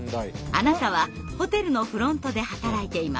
あなたはホテルのフロントで働いています。